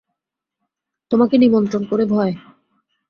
তোমাকে নিয়ন্ত্রণ করে ভয়!